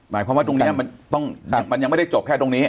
หมายความว่าตรงนี้มันยังไม่ได้จบแค่ตรงนี้